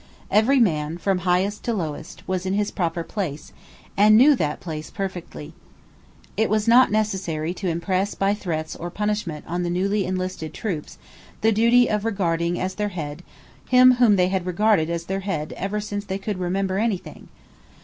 Every man, from highest to lowest, was in his proper place, and knew that place perfectly. It was not necessary to impress by threats or by punishment on the newly enlisted troops the duty of regarding as their head him whom they had regarded as their head ever since they could remember any thing.